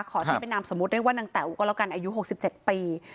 ขอใช้เป็นนามสมมุติเรียกว่านางแต๋วก็แล้วกันอายุ๖๗ปี